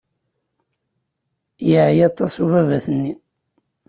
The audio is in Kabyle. Yeɛya aṭas ubabat-nni.